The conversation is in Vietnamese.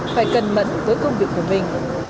phải cân mẫn với công việc của mình